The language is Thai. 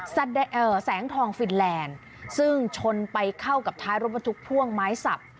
แสงทองฟินแลนด์ซึ่งชนไปเข้ากับท้ายรถบรรทุกพ่วงไม้สับ